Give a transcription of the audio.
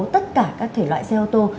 tất cả các thể loại xe ô tô